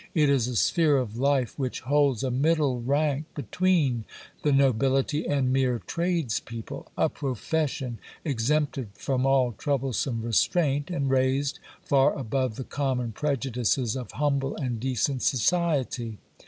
It is a sphere of life which holds a middle rank between the nobility and mere tradespeople ; a profession exempted from all troublesome restraint, and raised far above the common prejudices of humble and decent society.